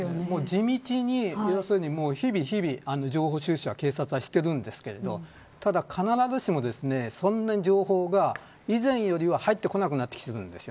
地道に要するに日々日々情報収集は警察はしているんですがただ、必ずしもそんなに情報が以前よりは入ってこなくなってきているんです。